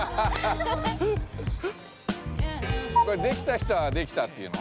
これできた人はできたって言うの？